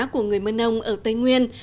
của người mân âu ở tây nguyên